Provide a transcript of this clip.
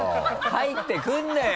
入ってくんなよ！